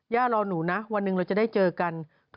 รอหนูนะวันหนึ่งเราจะได้เจอกัน